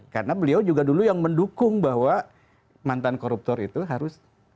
karena beliau juga dulu yang mendukung bahwa mantan koruptor itu harus